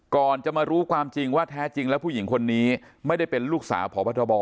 ก่อนจะมารู้ความจริงว่าแท้จริงแล้วผู้หญิงคนนี้ไม่ได้เป็นลูกสาวพบทบ